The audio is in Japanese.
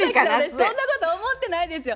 そんなこと思ってないですよ。